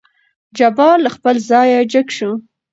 جبار له خپل ځايه جګ شو.